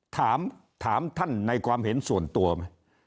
ถามท่านในความเห็นส่วนตัวไหม